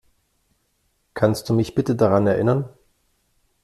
Kannst du mich bitte daran erinnern?